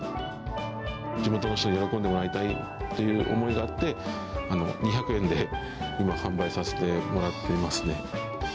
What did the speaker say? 地元の人に喜んでもらいたいという思いがあって、２００円で今、販売させてもらっていますね。